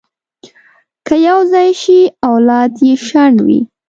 که یو ځای شي، اولاد یې شنډ وي.